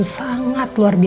saya juga ini